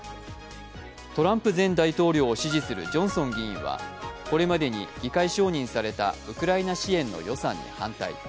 トランプ前大統領を支持するジョンソン議員は、これまでに議会承認されたウクライナ支援の予算に反対。